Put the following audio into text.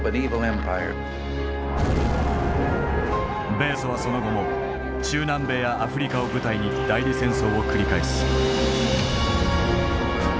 米ソはその後も中南米やアフリカを舞台に代理戦争を繰り返す。